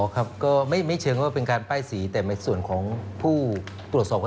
ครับงั้นที่ฉันขอนิดเดียวภาค๕ค่ะ